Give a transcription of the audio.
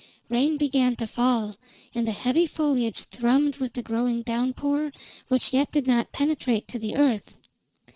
Rain began to fall, and the heavy foliage thrummed with the growing downpour which yet did not penetrate to the earth.